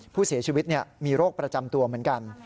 ผู้เสียชีวิตมีโรคประจำตัวเหมือนกัน